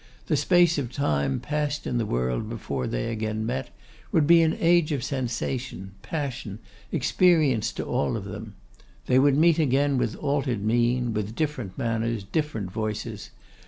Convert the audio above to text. The space of time, passed in the world before they again met, would be an age of sensation, passion, experience to all of them. They would meet again with altered mien, with different manners, different voices.